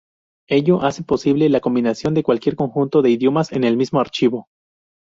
Ello hace posible la combinación de cualquier conjunto de idiomas en el mismo archivo.